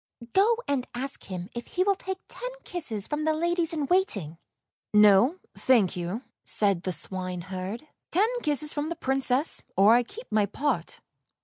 " Go and ask him if he will take ten kisses from the ladies in waiting." " No, thank you," said the swineherd; " ten kisses from the Princess, or I keep my pot."